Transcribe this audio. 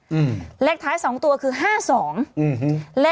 อืมเลขท้ายสองตัวคือห้าสองอืมเลข